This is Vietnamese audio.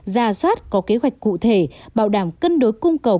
ra soát có kế hoạch cụ thể bảo đảm cân đối cung cầu